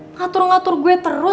ngatur ngatur gue terus